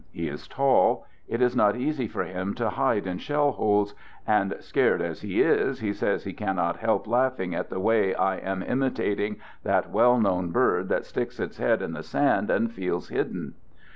He is tall. It is not easy for him to hide in shell holes, and " scared " as he is, he says he cannot help " laughing at the way I am imitating that well known bird that sticks its head in the sand and feels hidden."